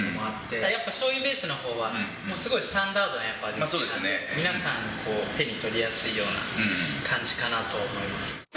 やっぱしょうゆベースのほうはもうすごいスタンダードな、皆さんが手に取りやすい感じかなと思います。